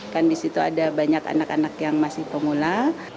kan di situ ada banyak anak anak yang masih pemula